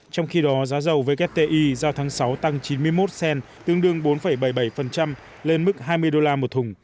trong khi đó giá dầu wti giao tháng sáu tăng chín mươi một cent tương đương bốn bảy mươi bảy lên mức hai mươi đô la một thùng